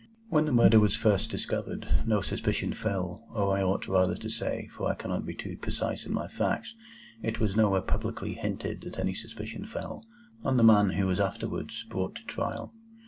When the murder was first discovered, no suspicion fell—or I ought rather to say, for I cannot be too precise in my facts, it was nowhere publicly hinted that any suspicion fell—on the man who was afterwards brought to trial.